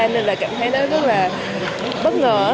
nên là cảm thấy rất là bất ngờ